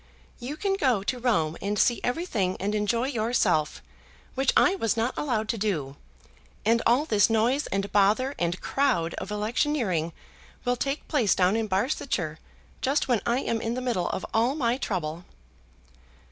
"You can go to Rome and see everything and enjoy yourself, which I was not allowed to do; and all this noise and bother, and crowd of electioneering, will take place down in Barsetshire just when I am in the middle of all my trouble."